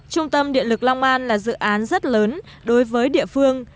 trung tâm điện lực long an là dự án rất lớn đối với địa phương